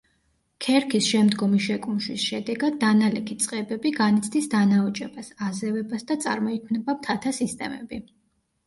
ქერქის შემდგომი შეკუმშვის შედეგად დანალექი წყებები განიცდის დანაოჭებას, აზევებას და წარმოიქმნება მთათა სისტემები.